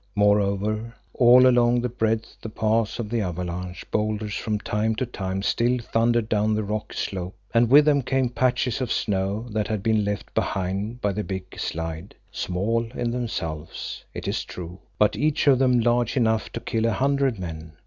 Moreover, all along the breadth of the path of the avalanche boulders from time to time still thundered down the rocky slope, and with them came patches of snow that had been left behind by the big slide, small in themselves, it is true, but each of them large enough to kill a hundred men.